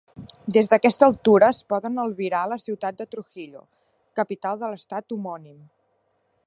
Des d'aquesta altura es poden albirar la ciutat de Trujillo, capital de l'estat homònim.